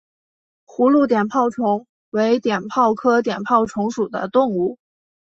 葫芦碘泡虫为碘泡科碘泡虫属的动物。